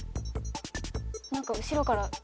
何か後ろから。